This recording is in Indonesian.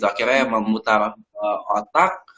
akhirnya memutar otak